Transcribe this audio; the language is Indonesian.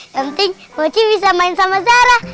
mending mau ci bisa main sama zara